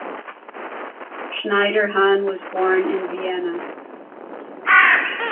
Schneiderhan was born in Vienna.